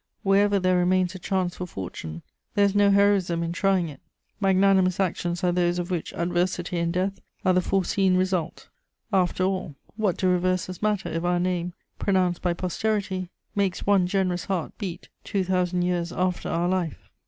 Wherever there remains a chance for fortune, there is no heroism in trying it; magnanimous actions are those of which adversity and death are the foreseen result After all, what do reverses matter, if our name, pronounced by posterity, makes one generous heart beat two thousand years after our life?"